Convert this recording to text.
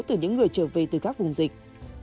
từ những người trở về từ các vùng dịch